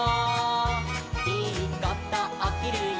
「いいことおきるよ